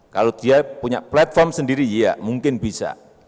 kalau dia punya platform sendiri ya mungkin bisa